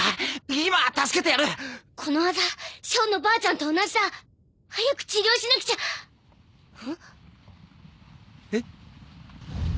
今助けてやるこのアザシャオのばあちゃんと同じだ早く治療しなくちゃえ？